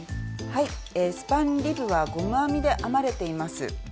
はいスパンリブはゴム編みで編まれています。